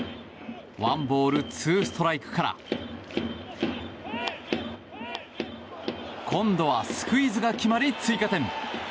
ワンボールツーストライクから今度はスクイズが決まり追加点！